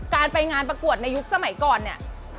การไปงานประกวดในยุคสมัยก่อนเนี่ย